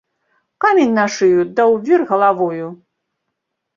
Камень на шыю ды ў вір галавою!